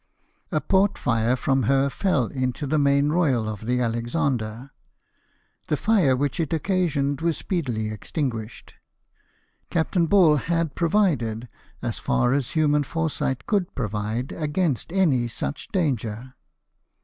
A port fire from her fell into the main royal of the Alexander ; the fire which it occa sioned was speedily extinguished. Captain Ball had provided, as far as human foresight could provide, against any such danger.